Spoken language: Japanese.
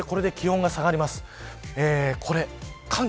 これで気温が下がります。